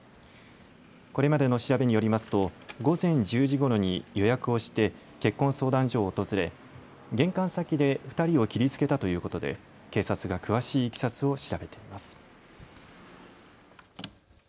これまでの調べによりますと午前１０時ごろに予約をして結婚相談所を訪れ玄関先で２人を切りつけたということで警察が詳しいいきさつを調べています。